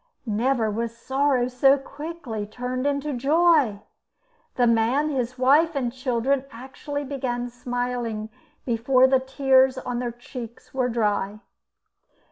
Never was sorrow so quickly turned into joy. The man, his wife, and children, actually began smiling before the tears on their cheeks were dry.